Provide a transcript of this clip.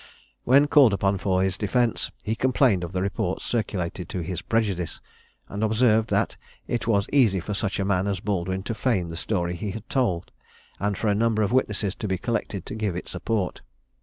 When called upon for his defence, he complained of the reports circulated to his prejudice; and observed, that it was easy for such a man as Baldwin to feign the story he had told, and for a number of witnesses to be collected to give it support.